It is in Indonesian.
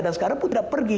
dan sekarang pun tidak pergi